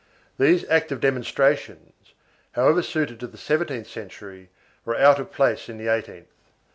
These active demonstrations, how ever suited to the seventeenth century, were out of place in the eighteenth.